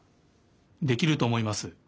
できるとおもいます。